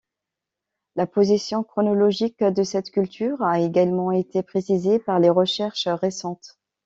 La position chronologique de cette culture a également été précisée par les recherches récentes.